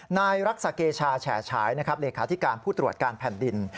นายรักษเกชาแฉ๋ฉายเลขาที่การผู้ตรวจการแผ่นดิน